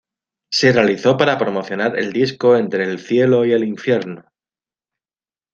Se realizó para promocionar el disco Entre el cielo y el infierno.